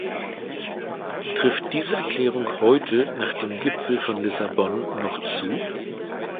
Trifft diese Erklärung heute nach dem Gipfel von Lissabon noch zu?